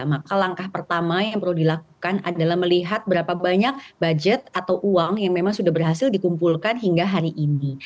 maka langkah pertama yang perlu dilakukan adalah melihat berapa banyak budget atau uang yang memang sudah berhasil dikumpulkan hingga hari ini